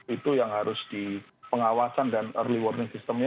itu yang harus dipengawasan dan early warning systemnya